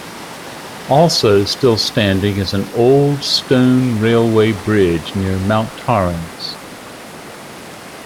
Also still standing is an old stone railway bridge near Mount Torrens.